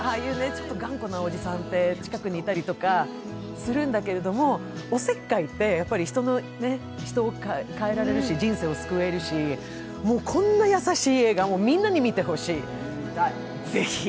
ちょっと頑固なおじさんって近くにいたりとかするんだけれども、おせっかいって、人を変えられるし人生を救えるしこんな優しい映画、みんなに見てほしい、ぜひ。